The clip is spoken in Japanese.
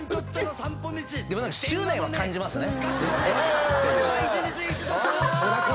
でも何か執念は感じますね。